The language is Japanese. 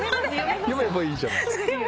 読めばいいじゃん。